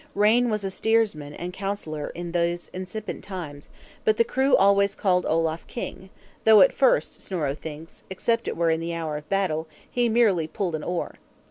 Rane was a steersman and counsellor in these incipient times; but the crew always called Olaf "King," though at first, as Snorro thinks, except it were in the hour of battle, he merely pulled an oar.